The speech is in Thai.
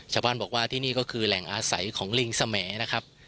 ชาวบ้านบอกว่าที่นี่ก็คือแหล่งอาศัยของลิงสแหมดนะครับ